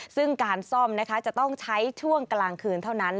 ซึ่งการซ่อมนะคะจะต้องใช้ช่วงกลางคืนเท่านั้น